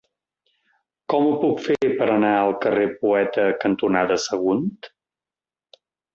Com ho puc fer per anar al carrer Poeta cantonada Sagunt?